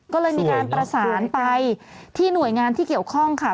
ก็เลยมีการประสานไปที่หน่วยงานที่เกี่ยวข้องค่ะ